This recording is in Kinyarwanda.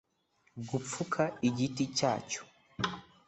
Gupfuka igiti cyacyo